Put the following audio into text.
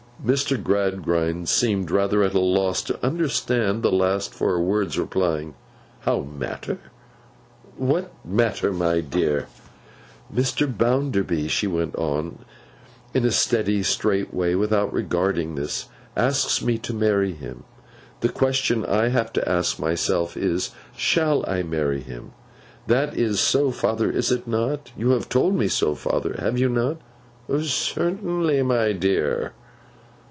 Mr. Gradgrind seemed rather at a loss to understand the last four words; replying, 'How, matter? What matter, my dear?' 'Mr. Bounderby,' she went on in a steady, straight way, without regarding this, 'asks me to marry him. The question I have to ask myself is, shall I marry him? That is so, father, is it not? You have told me so, father. Have you not?' 'Certainly, my dear.